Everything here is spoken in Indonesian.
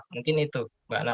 itu mbak nana terima kasih